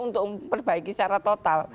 untuk memperbaiki secara total